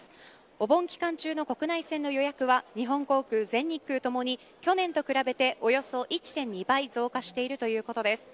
お盆期間中の国内線の予約は日本航空、全日空ともに去年と比べておよそ１．２倍増加しているということです。